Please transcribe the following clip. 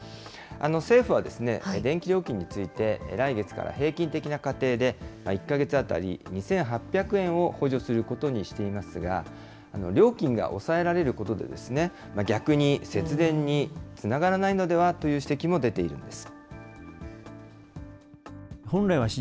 政府は電気料金について、来月から平均的な家庭で、１か月当たり２８００円を補助することにしていますが、料金が抑えられることで、逆に節電につながらないのではという指摘も出ているんです。